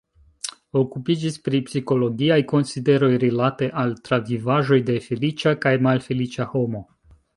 Okupiĝis pri psikologiaj konsideroj rilate al travivaĵoj de feliĉa kaj malfeliĉa homo.